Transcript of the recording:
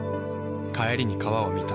帰りに川を見た。